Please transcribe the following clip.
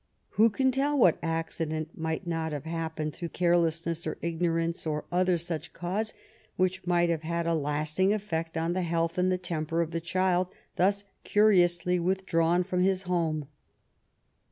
Who can tell what accident might not have happened through carelessness or ignorance or other such cause which might have had a lasting effect on the health and the temper of the child thus curiously withdrawn from his home?